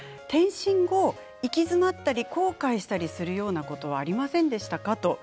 転身を行き詰まったり後悔したりするようなことはありませんでしたか？